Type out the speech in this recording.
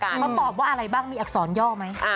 เขาตอบว่าอะไรบ้างมีอักษรย่อไหม